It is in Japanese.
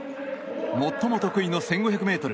最も得意の１５００ｍ。